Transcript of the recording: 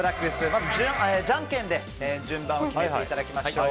まずじゃんけんで順番を決めていただきましょう。